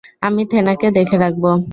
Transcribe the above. আমি থেনাকে দেখে রাখব।